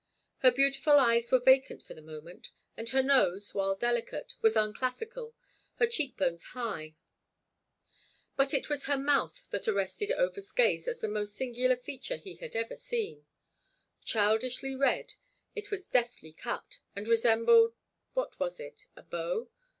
Her beautiful eyes were vacant for the moment, and her nose, while delicate, was unclassical, her cheek bones high; but it was her mouth that arrested Over's gaze as the most singular feature he had ever seen. Childishly red, it was deftly cut, and resembled—what was it? A bow?